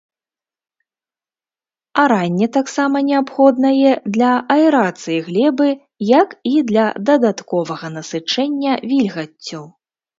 Аранне таксама неабходнае для аэрацыі глебы, як і для дадатковага насычэння вільгаццю.